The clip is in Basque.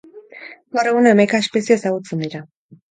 Gaur egun hamaika espezie ezagutzen dira.